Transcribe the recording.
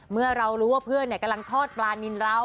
เมื่อเรารู้ว่าเพื่อนกำลังทอดปลานินเรา